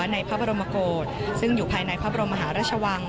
ในพระบรมโกศซึ่งอยู่ภายในพระบรมมหาราชวัง